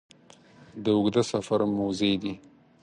د اوږده سفر موزې دي